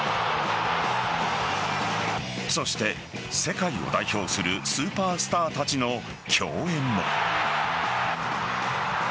そして、世界を代表するスーパースターたちの競演も。